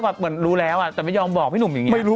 เหมือนรู้แล้วแต่ไม่ยอมบอกพี่หนุ่มอย่างนี้